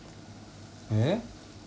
えっ？